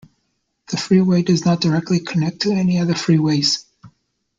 The freeway does not directly connect to any other freeways.